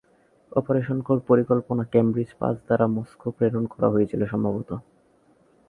Operation পরিকল্পনা Cambridge পাঁচ দ্বারা মস্কো প্রেরণ করা হয়েছিলো সম্ভবত।